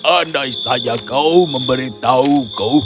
andai saja kau memberitahuku